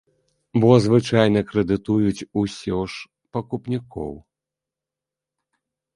Бо звычайна крэдытуюць усе ж пакупнікоў.